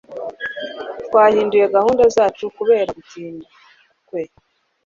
Twahinduye gahunda zacu kubera gutinda kwe.